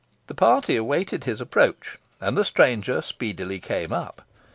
The party awaited his approach, and the stranger speedily came up.